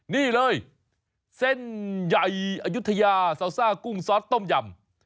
นี่เลยเส้นใหญ่อายุทยาซาวซ่ากุ้งซอสต้มยำ